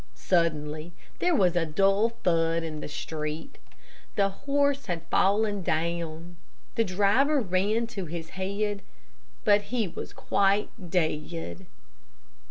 Suddenly, there was a dull thud in the street. The horse had fallen down. The driver ran to his head, but he was quite dead.